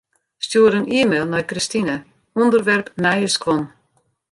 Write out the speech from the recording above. Stjoer in e-mail nei Kristine, ûnderwerp nije skuon.